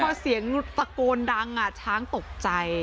พอเสียงตะโกนดังช้างตกใจ